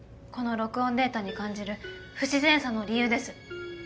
この録音データに感じる不自然さの理由です。